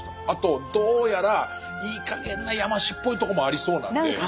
あとどうやらいいかげんな山師っぽいとこもありそうなんで。